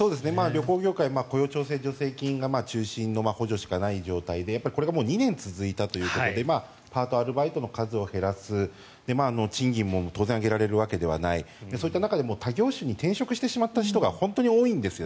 旅行業界雇用調整助成金が中心の補助しかない状態で、これがもう２年も続いたということでパート、アルバイトの数を減らす賃金も当然上げられるわけではないそういった中で他業種に転職してしまった人が本当に多いんです。